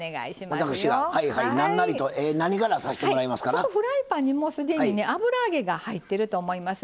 そこフライパンにもう既にね油揚げが入ってると思います。